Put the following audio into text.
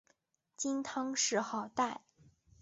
金汤谥号戴。